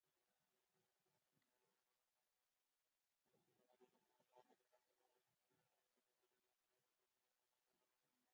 Edward Garry.